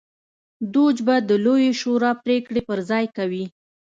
دوج به د لویې شورا پرېکړې پر ځای کوي.